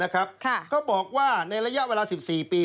ก็บอกว่าในระยะเวลา๑๔ปี